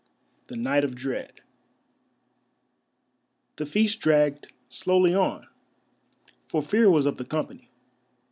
THE NIGHT OF DREAD The feast dragged slowly on, for Fear was of the company.